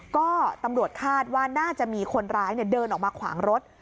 ก็ตำรวจคาดว่าน่าจะมีคนร้ายเดินออกมาขวางรถ